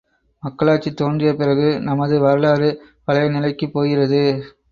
மக்களாட்சி தோன்றிய பிறகு நமது வரவாறு பழைய நிலைக்குப் போகிறது!